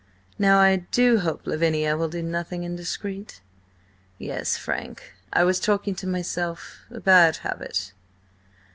Now I do hope Lavinia will do nothing indiscreet–Yes, Frank, I was talking to myself; a bad habit."